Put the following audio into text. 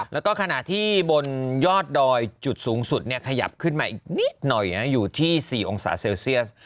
แล้วก็ขณะที่บนยอดดอยจุดสูงสุดขยับขึ้นมาอีกนิดหน่อยอยู่ที่๔องศาเซลเซียส